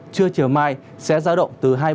chưa chiều mai sẽ ra động từ hai mươi bảy đến ba mươi độ